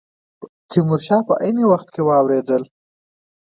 تیمور شاه په عین وخت کې واورېدل.